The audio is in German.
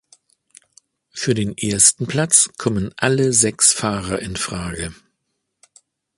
Für den ersten Platz kommen alle sechs Fahrer in Frage.